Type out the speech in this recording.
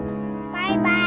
バイバイ！